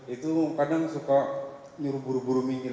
itu kadang suka buru buru buru ke pinggir